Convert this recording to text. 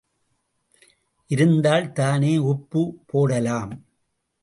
இருந்தால் தானே உப்பு போடலாம்.